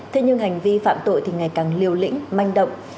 thế nhưng hành vi phạm tội thì ngày càng liều lĩnh manh động